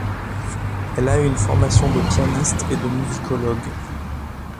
Elle a eu une formation de pianiste et de musicologue.